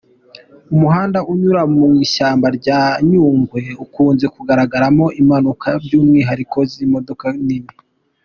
Umuhanda unyura mu ishyamba rya Nyungwe ukunze kugaragaramo impanuka, by’umwihariko z’imodoka nini.